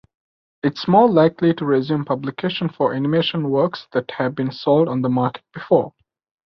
It’s more likely to resume publication for animation works that have been sold on the market before.